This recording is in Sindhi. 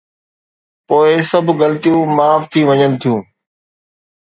پوءِ سڀ غلطيون معاف ٿي وڃن ٿيون.